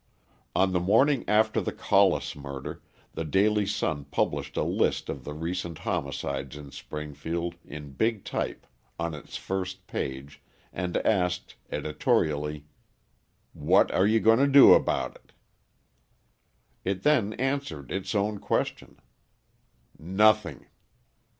On the morning after the Collis murder, the Daily Sun published a list of the recent homicides in Springfield in big type on its first page and asked editorially: "What are you going to do about it?" It then answered its own question: "Nothing."